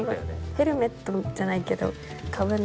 ヘルメットじゃないけどかぶる。